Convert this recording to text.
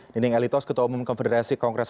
nining elitos ketua umum konfederasi kongres